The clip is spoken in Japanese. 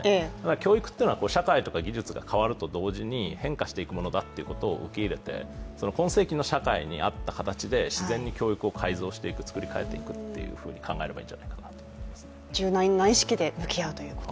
教育というのは社会とか技術が変わると同時に変化していくものと受け入れて、今世紀の社会にあった形で自然に教育を改造していく作り替えていくというふうに考えたらいいんじゃないでしょうか。